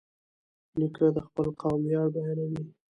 نیکه د خپل قوم ویاړ بیانوي.